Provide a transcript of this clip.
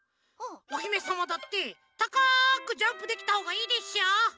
おひめさまだってたかくジャンプできたほうがいいでしょう？